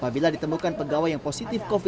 apabila ditemukan pegawai yang berada di daerah